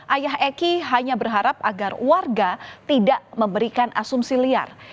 ayah eki hanya berharap agar warga tidak memberikan asumsi liar